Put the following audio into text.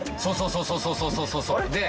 そうそうそうそう！